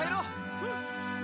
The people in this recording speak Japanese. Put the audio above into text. うん。